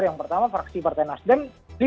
yang pertama fraksi partai nasdem